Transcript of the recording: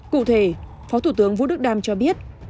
cụ thể phó thủ tướng vũ đức đam cho biết